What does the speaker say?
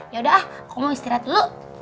yaudah ah aku mau istirahat dulu